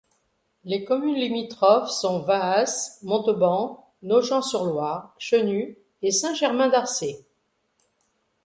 Les communes limitrophes sont Vaas, Montabon, Nogent-sur-Loir, Chenu et Saint-Germain-d'Arcé.